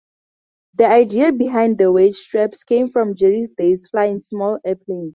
The idea behind the weight straps came from Jerry's days flying small airplanes.